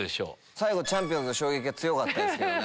最後ちゃんぴおんずの衝撃が強かったですけどね。